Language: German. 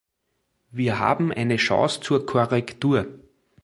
Wir haben eine Chance zur Korrektur.